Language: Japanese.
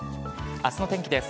あすの天気です。